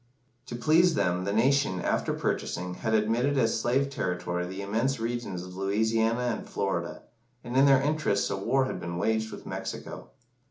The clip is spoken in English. To please them, the nation, after purchasing, had admitted as slave territory the immense regions of Louisiana and Florida, and in their interests a war had been waged with Mexico.